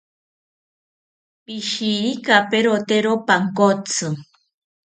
Pishirikaperotero pankotzi